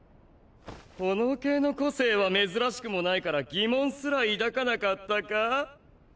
炎系の個性は珍しくもないから疑問すら抱かなかったか？